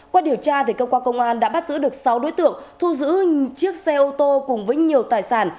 qua điều tra cơ quan công an đã bắt giữ được sáu đối tượng thu giữ chiếc xe ô tô cùng với nhiều tài sản